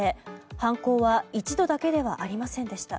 犯行は一度だけではありませんでした。